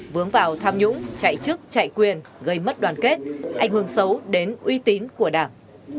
vướng vào tham nhũng chạy chức chạy quyền gây mất đoàn kết ảnh hưởng xấu đến uy tín của đảng